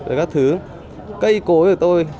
và các thứ cây cối của tôi